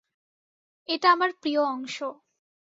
এটা আমার প্রিয় অংশ।